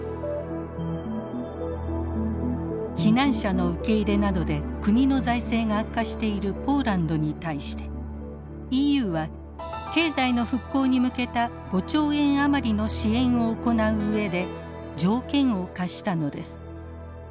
避難者の受け入れなどで国の財政が悪化しているポーランドに対してＥＵは経済の復興に向けた５兆円余りの支援を行う上で条件を課したのです。